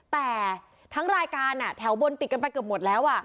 แต่ทั้งรายการแถวบนติดกันไปเกือบหมดแล้ว